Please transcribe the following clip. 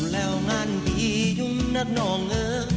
อ๋อแล้วงานพี่ยุ่งนัดนองเอ่อ